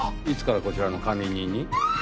いつからこちらの管理人に？